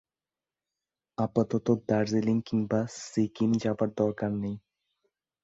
আপাতত দার্জিলিং কিংবা সিকিম যাবার দরকার নেই।